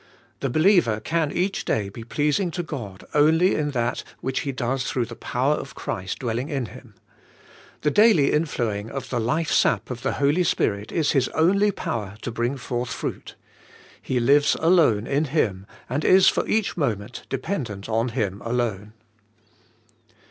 The believer can each day be pleasing to God only in that which he does through the power of Christ dwelling in him. The daily inflowing of the life sap of the Holy Spirit is his only power to bring forth fruit. He lives alone in Him and is for each moment dependent on Him alone.